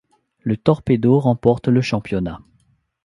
Le Torpedo remporte le championnat.